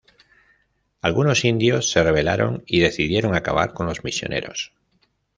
Algunos indios se rebelaron y decidieron acabar con los misioneros.